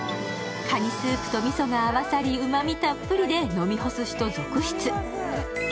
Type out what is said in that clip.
かにスープとみそが合わさり、うまみたっぷりで飲み干す人続出。